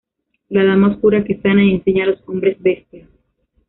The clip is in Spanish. La Dama Oscura que sana y enseña a los hombres bestia.